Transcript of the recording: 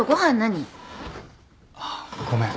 あっごめん。